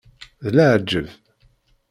D leɛǧeb!